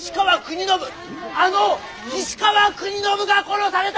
あの菱川国宣が殺された！